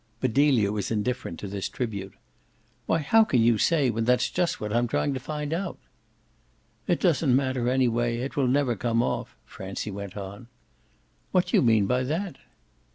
But Delia was indifferent to this tribute. "Why how can you say, when that's just what I'm trying to find out!" "It doesn't matter anyway; it will never come off," Francie went on. "What do you mean by that?"